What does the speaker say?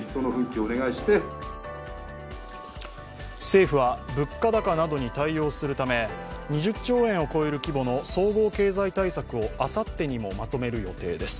政府は物価高などに対応するため、２０兆円を超える規模の総合経済対策をあさってにもまとめる予定です。